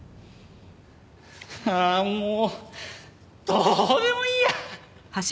ああもうどうでもいいや！